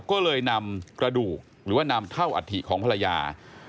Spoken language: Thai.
ก็เลยนำกระดูกหรือว่านำเท่าอัฐิของภรรยา